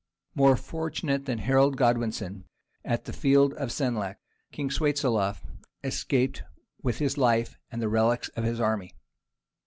More fortunate than Harold Godwineson at the field of Senlac, King Swiatoslaf escaped with his life and the relics of his army.